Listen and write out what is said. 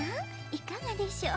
いかがでしょう。